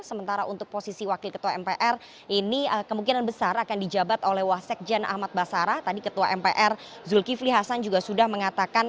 sementara untuk posisi wakil ketua mpr ini kemungkinan besar akan dijabat oleh wasekjen ahmad basara tadi ketua mpr zulkifli hasan juga sudah mengatakan